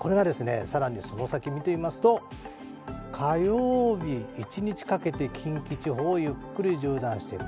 その先を更に見ていきますと火曜日、一日かけて近畿地方をゆっくり縦断してる。